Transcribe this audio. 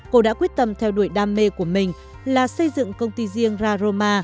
cô đã quyết tâm theo đuổi đam mê của mình là xây dựng công ty riêng raroma